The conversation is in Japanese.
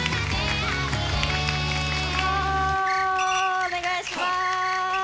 お願いします！